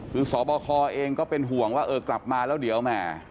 คือสบคเองก็เป็นห่วงว่าเออกลับมาแล้วเดี๋ยวแหม